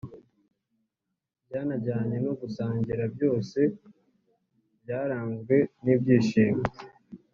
byanajyanye no gusangira byose byaranzwe n'ibyishimo